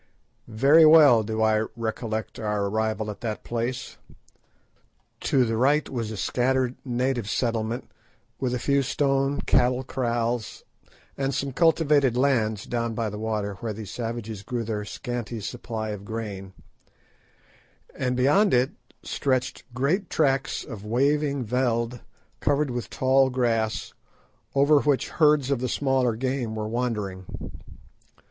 Very well do I recollect our arrival at that place. To the right was a scattered native settlement with a few stone cattle kraals and some cultivated lands down by the water, where these savages grew their scanty supply of grain, and beyond it stretched great tracts of waving "veld" covered with tall grass, over which herds of the smaller game were wandering.